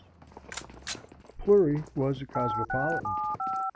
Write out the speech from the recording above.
Plury was a cosmopolitan.